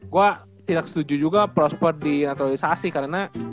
gue tidak setuju juga prosper di naturalisasi karena